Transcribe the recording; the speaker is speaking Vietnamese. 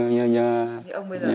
như ông bây giờ